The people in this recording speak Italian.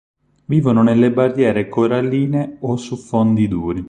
Vivono nelle barriere coralline o su fondi duri.